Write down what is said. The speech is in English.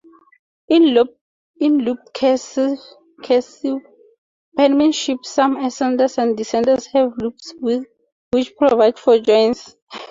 In "looped cursive" penmanship, some ascenders and descenders have loops which provide for joins.